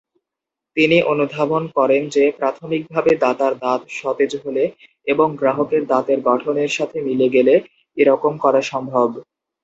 তিনি অনুধাবন করেন যে প্রাথমিকভাবে দাতার দাঁত সতেজ হলে এবং গ্রাহকের দাঁতের গঠনের সাথে মিলে গেলে এরকম করা সম্ভব।